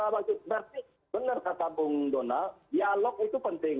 berarti benar kata bung donald dialog itu penting